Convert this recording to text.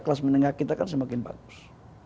kelas menengah kita kan semakin bagus